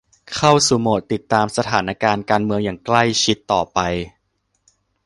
เข้าสู่โหมดติดตามสถานการณ์การเมืองอย่างใกล้ชิดต่อไป